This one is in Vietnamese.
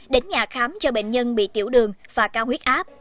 đến nhà khám cho bệnh nhân bị tiểu đường và cao huyết áp